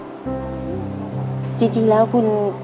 ก็ยังดีว่ามีคนมาดูแลน้องเติร์ดให้